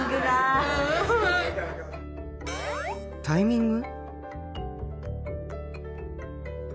タイミング？